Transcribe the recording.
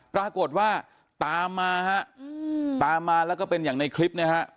ปรากฏว่าตามมาฮะตามมาแล้วก็เป็นอย่างในคลิปเนี่ยฮะ